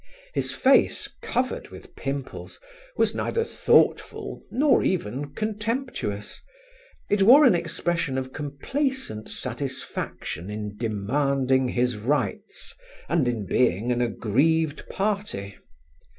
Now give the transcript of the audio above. His face, covered with pimples, was neither thoughtful nor even contemptuous; it wore an expression of complacent satisfaction in demanding his rights and in being an aggrieved party.